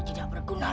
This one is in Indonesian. ya ya udah deh nek